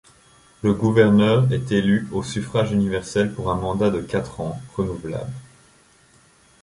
Le gouverneur est élu au suffrage universel pour un mandat de quatre ans, renouvelable.